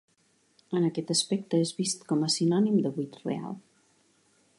En aquest aspecte és vist com a sinònim de buit real.